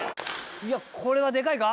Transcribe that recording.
「いやこれはでかいか？」